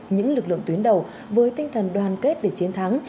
những lực lượng tuyến đầu với tinh thần đoàn kết để chiến thắng